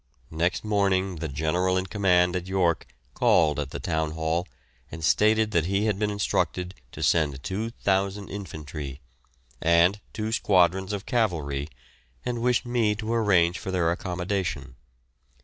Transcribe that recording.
Next morning the General in command at York called at the Town Hall, and stated that he had been instructed to send 2,000 infantry, and two squadrons of cavalry, and wished me to arrange for their accommodation.